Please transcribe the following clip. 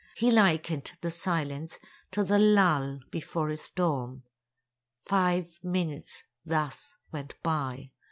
He likened the silence to the lull before a storm. Five minutes thus went by!